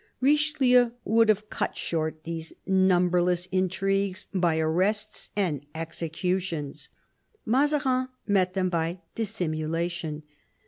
Richelieu would have cut short these numberless intrigues by arrests and executions: Mazarin met them by dissimulation.